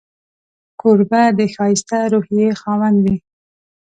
کوربه د ښایسته روحيې خاوند وي.